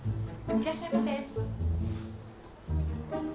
いらっしゃいませ。